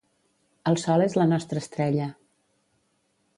El Sol és la nostra estrella.